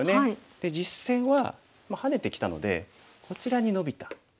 で実戦はハネてきたのでこちらにノビた。